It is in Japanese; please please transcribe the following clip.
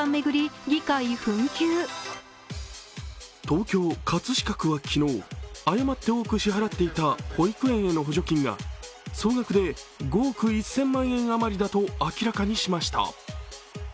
東京・葛飾区は昨日、誤って多く支払っていた保育園への補助金が総額で５億１０００万円余りだと明らかにしました。